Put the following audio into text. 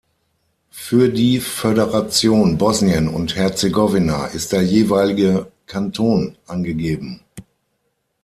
Für die Föderation Bosnien und Herzegowina ist der jeweilige Kanton angegeben.